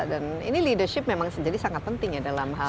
dan ini leadership memang jadi sangat penting ya dalam hal ini